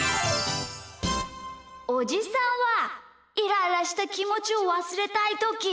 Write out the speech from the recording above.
おじさんはイライラしたきもちをわすれたいときどうしてますか？